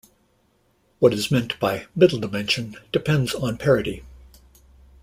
What is meant by "middle dimension" depends on parity.